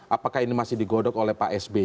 apakah ini masih digodok oleh pak sby